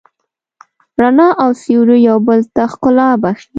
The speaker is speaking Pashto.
رڼا او سیوری یو بل ته ښکلا بښي.